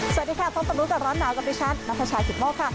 สวัสดีค่ะพร้อมต่อมรู้กับร้านหนาวกับดิฉันนัทชายศิษย์โมกค่ะ